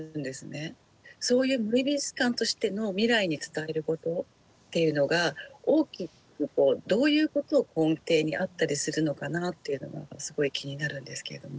そういう美術館としての未来に伝えることっていうのが大きくどういうことを根底にあったりするのかなっていうのがすごい気になるんですけども。